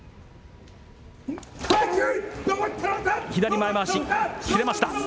左前まわし、きれました。